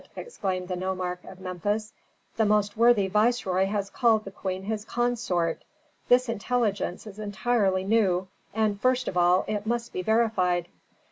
exclaimed the nomarch of Memphis. "The most worthy viceroy has called the queen his consort. This intelligence is entirely new, and, first of all it must be verified."